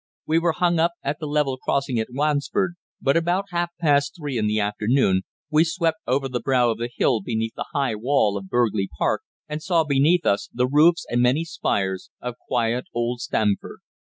We were hung up at the level crossing at Wansford, but about half past three in the afternoon we swept over the brow of the hill beneath the high wall of Burghley Park, and saw beneath us the roofs and many spires of quiet old Stamford.